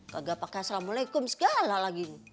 kagak pake salamualaikum segala lagi